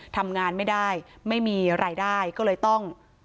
ทำงานไม่ได้ไม่มีรายได้ก็เลยต้อง